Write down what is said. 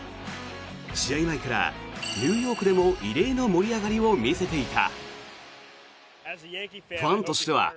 試合前からニューヨークでも異例の盛り上がりを見せていた。